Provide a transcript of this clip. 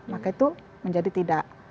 maka itu menjadi tidak